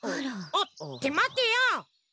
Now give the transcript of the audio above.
おってまてよ！